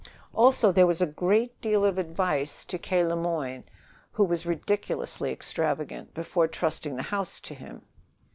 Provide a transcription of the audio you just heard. Also, there was a great deal of advice to K. Le Moyne, who was ridiculously extravagant, before trusting the house to him.